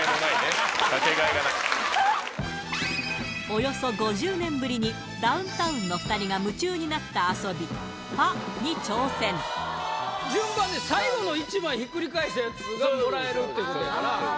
およそ５０年ぶりにダウンタウンの２人が夢中になった遊び順番で最後の１枚ひっくり返したヤツがもらえるってことやから。